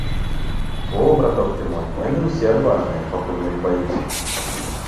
Во, браток ты мой, яны ўсе адважныя, пакуль мы іх баімся.